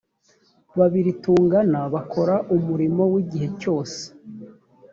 babiri tungana bakora umurimo w igihe cyose